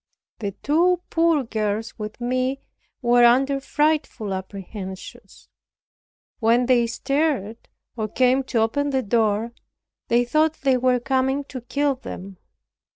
The two poor girls with me were under frightful apprehensions. When any stirred, or came to open the door, they thought they were coming to kill them.